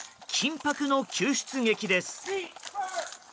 緊迫の救出劇です。